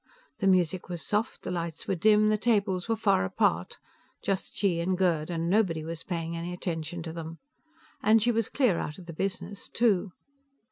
The music was soft, the lights were dim, the tables were far apart; just she and Gerd, and nobody was paying any attention to them. And she was clear out of the business, too.